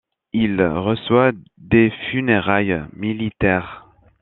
Il reçoit des funérailles militaires.